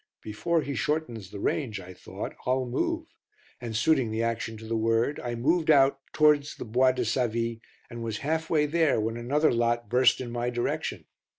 "Before he shortens the range," I thought, "I'll move," and suiting the action to the word I moved out towards the Bois de Savy and was half way there when another lot burst in my direction.